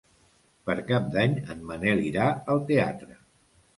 Per Cap d'Any en Manel irà al teatre.